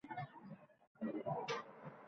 Qor ikki-uch kunlab tinmay yoqqan kunlar ham bo`ldi